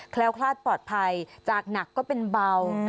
คลาดปลอดภัยจากหนักก็เป็นเบา